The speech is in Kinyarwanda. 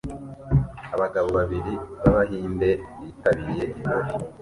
Abagabo babiri b'Abahinde bitabiriye ibirori